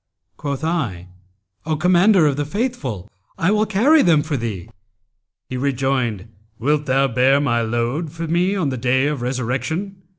Quoth I, 'O Commander of the Faithful, I will carry them for thee.' He rejoined, 'Wilt thou bear my load for me on the Day of Resurrection?'